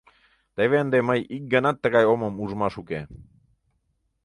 Теве ынде мый ик ганат тыгай омым ужмаш уке...